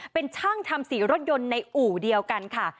เป็นช่างทำสีรถยนต์ในอู่เดียวกันค่ะ